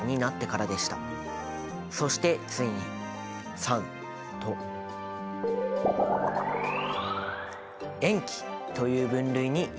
そしてついに酸と塩基という分類に行き着きます。